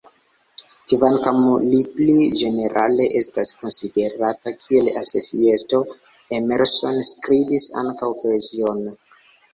Kvankam li pli ĝenerale estas konsiderata kiel eseisto, Emerson skribis ankaŭ poezion.